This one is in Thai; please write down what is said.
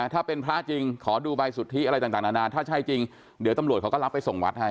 ถ้าเป็นพระจริงขอดูใบสุทธิอะไรต่างนานาถ้าใช่จริงเดี๋ยวตำรวจเขาก็รับไปส่งวัดให้